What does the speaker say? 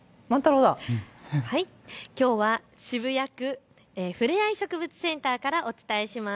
きょうは渋谷区ふれあい植物センターからお伝えします。